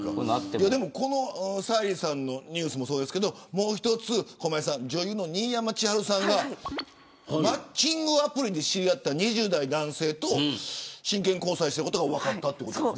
この沙莉さんのニュースもそうですがもう一つ、女優の新山千春さんがマッチングアプリで知り合った２０代男性と真剣交際していることが分かった。